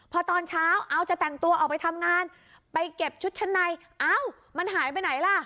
พอตอนเช้าเอาจะแต่งตัวออกไปทำงานไปเก็บชุดชั้นในอ้าวมันหายไปไหนล่ะ